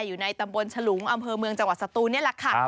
อยู่ในตำบลฉลุงอำเภอเมืองจังหวัดสตูนนี่แหละค่ะ